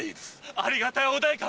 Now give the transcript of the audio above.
ありがたやお代官！